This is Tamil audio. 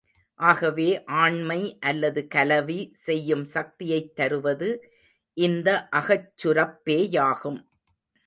ஆகவே ஆண்மை அல்லது கலவி செய்யும் சக்தியைத் தருவது இந்த அகச் சுரப்பேயாகும்.